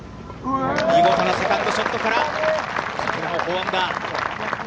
見事なセカンドショットから、４アンダー。